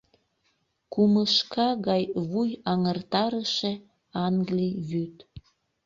Кумышка гай вуй аҥыртарыше англий вӱд.